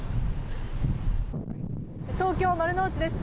東京・丸の内です。